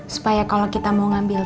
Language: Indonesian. supaya kalau kita mau ngambil